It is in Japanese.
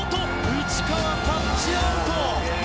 内川タッチアウト。